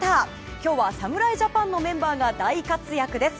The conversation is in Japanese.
今日は侍ジャパンのメンバーが大活躍です。